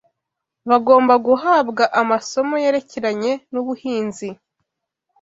Bagomba guhabwa amasomo yerekeranye n’ubuhinzi